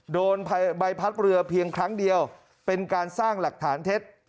โดนใบพัดเรือเพียงครั้งเดียวเป็นการสร้างหลักฐานเท็จ